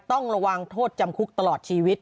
ต้องระวังโทษจำคุกตลอดชีวิต